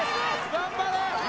頑張れ。